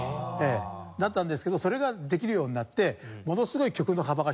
だったんですけどそれができるようになってものすごい曲の幅が広がりました。